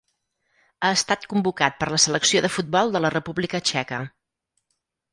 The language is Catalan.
Ha estat convocat per la selecció de futbol de la República Txeca.